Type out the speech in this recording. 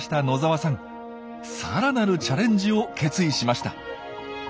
さらなるチャレンジを決意しました。